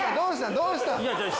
どうした？